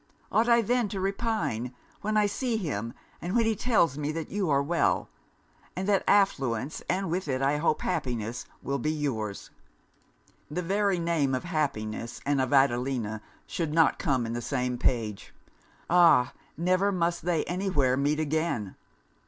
Ought I then to repine? when I see him, and when he tells me that you are well; and that affluence, and with it, I hope, happiness will be your's? The very name of happiness and of Adelina should not come in the same page! Ah! never must they any where meet again.